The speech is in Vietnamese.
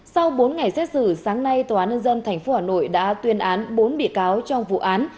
sau bốn ngày xét xử sáng nay tòa án nhân dân tp hà nội đã tuyên án bốn bị cáo trong vụ án